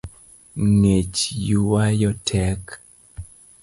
Ngech ywayo tek